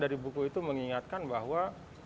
dari buku itu mengingatkan bahwa